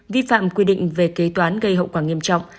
vi phạm quy định về kế toán gây hậu quả nghiêm trọng